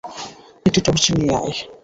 একটা টর্চ নিয়ে আয়।